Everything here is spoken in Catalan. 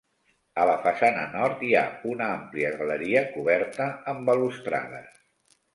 A la façana nord hi ha una àmplia galeria coberta amb balustrades.